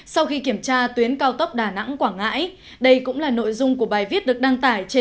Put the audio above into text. xin chào các bạn